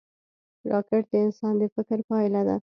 راکټ د انسان د فکر پایله ده